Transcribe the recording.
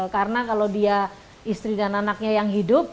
karena kalau dia istri dan anaknya yang hidup